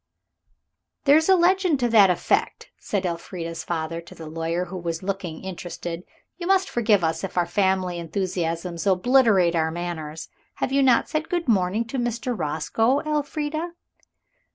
"There is a legend to that effect," said Elfrida's father to the lawyer, who was looking interested. "You must forgive us if our family enthusiasms obliterate our manners. You have not said good morning to Mr. Roscoe, Elfrida."